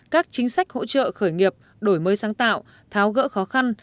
các chính sách hỗ trợ khởi nghiệp đổi mới sáng tạo tháo gỡ khó khăn